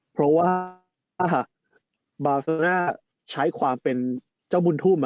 เพราะว่าบาเซอร์น่าใช้ความเป็นเจ้าบุญทุ่ม